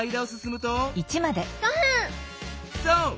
そう！